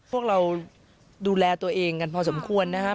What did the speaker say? พวกเราดูแลตัวเองกันพอสมควรนะครับ